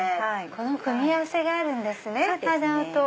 この組み合わせがあるんですね鼻緒と。